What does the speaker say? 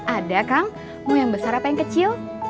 ada kang mau yang besar apa yang kecil